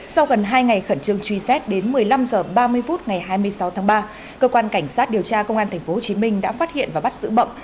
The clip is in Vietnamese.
sau gần hai ngày khẩn trương truy xét đến một mươi năm h ba mươi phút ngày hai mươi sáu tháng ba cơ quan cảnh sát điều tra công an tp hcm đã phát hiện và bắt giữ bậm